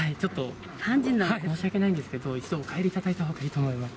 申し訳ないんですけど、一度、お帰りいただいたほうがいいと思います。